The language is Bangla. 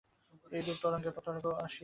এইরূপ তরঙ্গের পর তরঙ্গ অগ্রসর হইয়া চলিয়াছে।